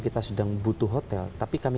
kita sedang butuh hotel tapi kami